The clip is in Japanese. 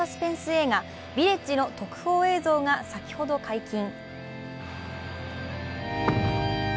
映画「ヴィレッジ」の特報映像が先ほど解禁。